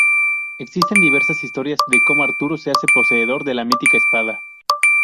Existen diversas historias de cómo Arturo se hace poseedor de la mítica espada.